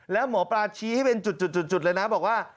แล้วหมอปลาชี้ให้เป็นจุดเลยนะบอกว่า